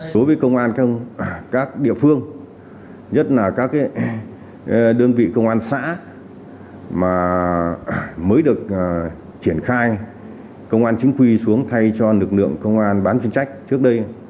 đối với công an các địa phương nhất là các đơn vị công an xã mà mới được triển khai công an chính quy xuống thay cho lực lượng công an bán chuyên trách trước đây